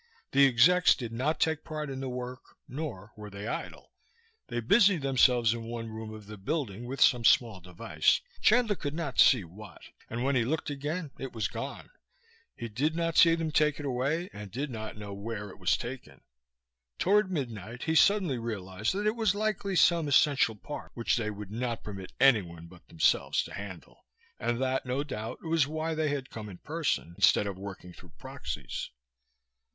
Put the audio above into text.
The execs did not take part in the work. Nor were they idle. They busied themselves in one room of the building with some small device Chandler could not see what and when he looked again it was gone. He did not see them take it away and did not know where it was taken. Toward midnight he suddenly realized that it was likely some essential part which they would not permit anyone but themselves to handle, and that, no doubt, was why they had come in person, instead of working through proxies.